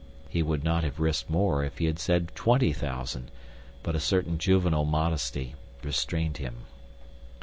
He would not have risked more if he had said twenty thousand; but a certain juvenile modesty restrained him.